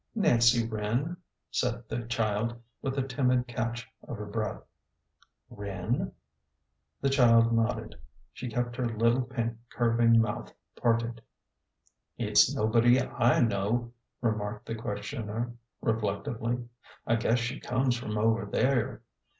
" Nancy Wren," said the child, with a timid catch of her breath. " Wren ?" The child nodded. She kept her little pink, curving mouth parted. " It's nobody I know," remarked the questioner, reflec tively. " I guess she comes from over there."